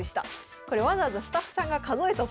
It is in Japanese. これわざわざスタッフさんが数えたそうです。